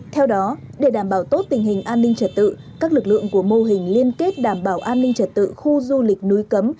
theo đó để đảm bảo tốt tình hình an ninh trật tự các lực lượng của mô hình liên kết đảm bảo an ninh trật tự khu du lịch núi cấm